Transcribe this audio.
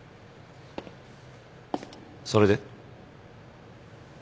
それで？